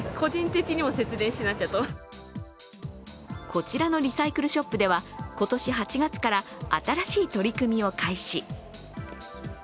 こちらのリサイクルショップでは今年８月から新しい取り組みを開始。